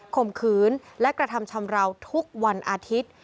ข่มขืนและกระทำชำราวทุกวันอาทิตย์